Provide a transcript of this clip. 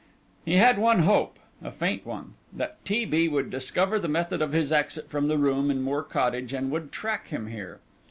He had one hope, a faint one, that T. B. would discover the method of his exit from the room in Moor Cottage and would track him here.